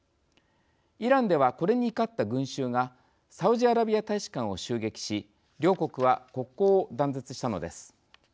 イランではこれに怒った群衆がサウジアラビア大使館を襲撃し両国は国交を断絶したのです。